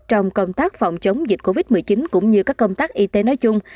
trong công tác phòng chống dịch covid một mươi chín cũng như các công tác y tế nói chung